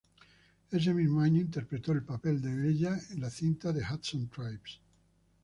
Ese mismo año interpretó el papel de Bella en la cinta "The Hudson Tribes".